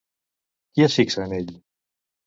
Qui es fixa en ell?